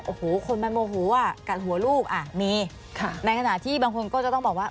โอ้โหคนมันโมโหอ่ะกัดหัวลูกอ่ะมีค่ะในขณะที่บางคนก็จะต้องบอกว่า